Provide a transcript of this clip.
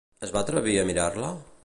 Es va atrevir a mirar-la?